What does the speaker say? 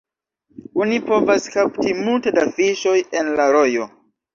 Oni povas kapti multe da fiŝoj en la rojo.